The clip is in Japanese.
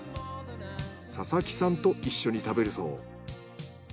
佐々木さんと一緒に食べるそう。